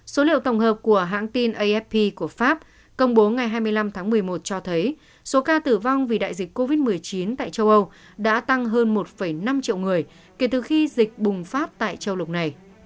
số liệu tổng hợp của hãng tin afp của pháp công bố ngày hai mươi năm tháng một mươi một cho thấy số ca tử vong vì đại dịch covid một mươi chín tại châu âu đã tăng hơn một năm triệu người kể từ khi dịch bùng phát tại châu lục này